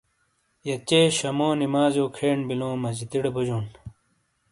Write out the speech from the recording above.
یہ چے شامو نمازیو کھین بیلوں مسجدیٹے بوجون ۔